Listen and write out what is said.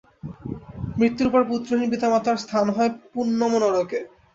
মৃত্যুর পর পুত্রহীন পিতামাতার স্থান হয় পুন্নম নরকে।